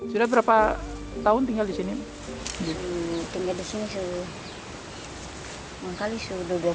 sudah berapa tahun tinggal di sini jadi tinggal di sini